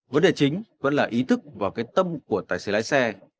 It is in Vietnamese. vấn đề chính vẫn là ý thức và cái tâm của tài xế lái xe